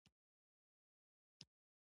د مهارت زده کړه تل ګټوره ده.